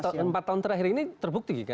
dalam empat tahun terakhir ini terbukti